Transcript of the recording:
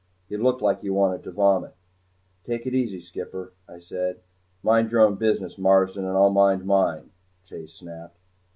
He looked like he wanted to vomit. "Take it easy, skipper," I said. "Mind your own business, Marsden and I'll mind mine," Chase snapped.